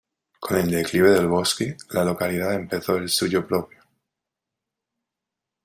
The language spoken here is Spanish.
Con el declive del bosque, la localidad empezó el suyo propio.